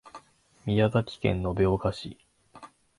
宮崎県延岡市